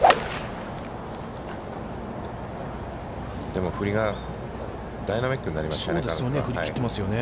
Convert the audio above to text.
でも、振りがダイナミックになりましたね。